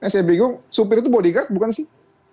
saya bingung supir itu bodyguard bukan sih